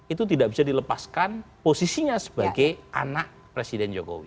itu tidak bisa dilepaskan posisinya sebagai anak presiden jokowi